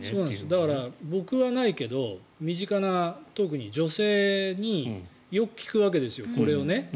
だから、僕はないけど身近な、特に女性によく聞くわけですよ、これを。